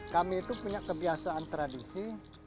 kami itu punya kebiasaan tradisi